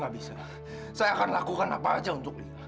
gak bisa saya akan lakukan apa aja untuk dia